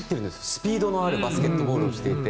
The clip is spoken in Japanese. スピードのあるバスケットボールをしていて。